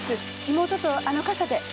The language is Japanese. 妹とあの傘で。